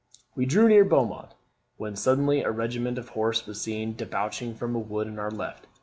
We drew near Beaumont, when suddenly a regiment of horse was seen debouching from a wood on our left.